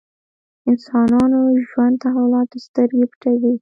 انسانانو ژوند تحولاتو سترګې پټوي.